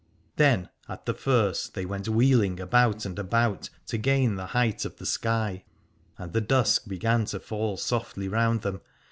Then at the first they went wheeling about and about, to gain the height of the sky, 228 Alad ore and the dusk began to fall softly round them.